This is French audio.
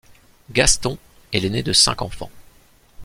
Gaston est l'aîné de cinq enfants.